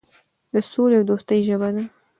د سولې او دوستۍ ژبه ده.